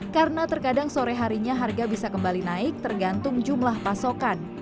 karena terkadang sore harinya harga bisa kembali naik tergantung jumlah pasokan